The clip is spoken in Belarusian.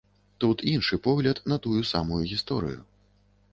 Тут іншы погляд на тую самую гісторыю.